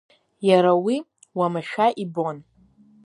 Иара уи уамашәа ибон.